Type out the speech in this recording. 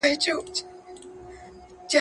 چې د دې ټولو ښایستونو نقاش